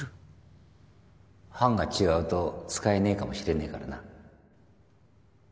版が違うと使えねえかもしれねえからな